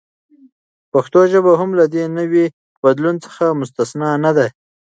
پښتو ژبه هم له دې نوي بدلون څخه مستثناء نه ده.